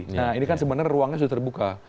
nah ini kan sebenarnya ruangnya sudah terbuka